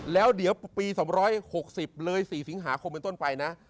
แล้วเดี๋ยวปี๒๖๐เลย๔สิงหาคมเป็นต้นไปนะ